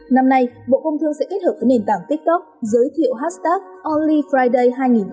năm nay bộ công thương sẽ kết hợp với nền tảng tiktok giới thiệu hashtag onlyfriday hai nghìn hai mươi hai